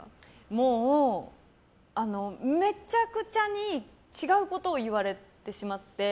もう、めちゃくちゃに違うことを言われてしまって。